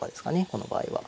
この場合は。